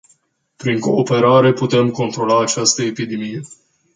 Prin cooperare, putem controla această epidemie.